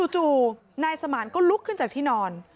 จู่นายสมานก็ลุกขึ้นจากที่นอน